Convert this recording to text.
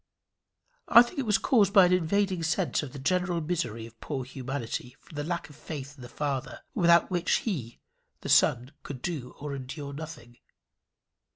I think it was caused by an invading sense of the general misery of poor humanity from the lack of that faith in the Father without which he, the Son, could do, or endure, nothing.